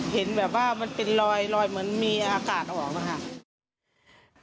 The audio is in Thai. เห็นแบบว่ามันเป็นลอยเหมือนมีอากาศออกมาค่ะ